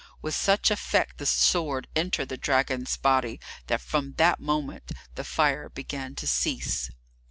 With such effect the sword entered the dragon's body that from that moment the fire began to cease.